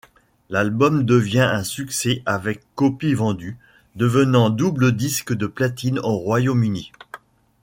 L'album devient un succès avec copies vendues, devenant double disque de platine au Royaume-Uni.